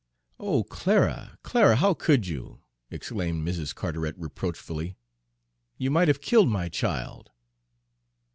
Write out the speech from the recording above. "Oh, Clara, Clara, how could you!" exclaimed Mrs. Carteret reproachfully; "you might have killed my child!"